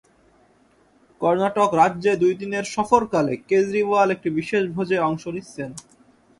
কর্ণাটক রাজ্যে দুই দিনের সফরকালে কেজরিওয়াল একটি বিশেষ ভোজে অংশ নিচ্ছেন।